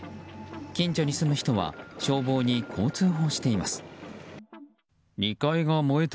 近所に住む人は消防にこう通報しています。